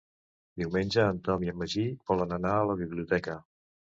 Diumenge en Tom i en Magí volen anar a la biblioteca.